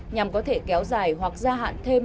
nhằm có thể kéo dài hoặc gia hạn thêm